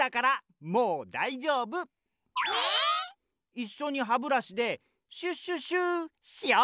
いっしょにハブラシでシュシュシュしよう！